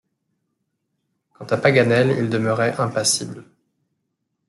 Quant à Paganel, il demeurait impassible.